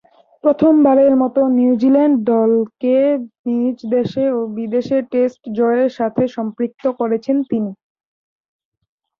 প্রথমবারের মতো নিউজিল্যান্ড দলকে নিজ দেশে ও বিদেশে টেস্ট জয়ের সাথে সম্পৃক্ত করেছেন তিনি।